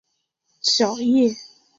小叶榉树